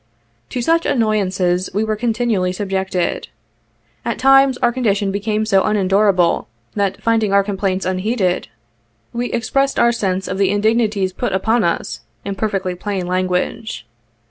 To such annoyances we were continually subjected. At times our condition became so unendurable, that finding our complaints unheeded, we expressed our sense of the indignities put upon us, in per fectly plain language.